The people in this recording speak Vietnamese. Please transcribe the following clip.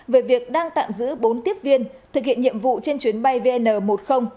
về việc đang tạm giữ bốn tiếp viên thực hiện nhiệm vụ trên chuyến bay vn một mươi